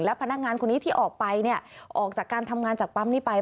พนักงานคนนี้ที่ออกไปเนี่ยออกจากการทำงานจากปั๊มนี้ไป